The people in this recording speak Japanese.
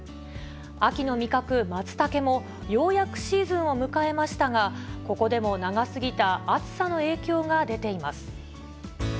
秋の味覚、マツタケも、ようやくシーズンを迎えましたが、ここでも長すぎた暑さの影響が出ています。